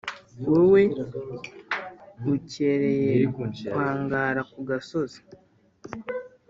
wowe ukereye kwangara kugasozi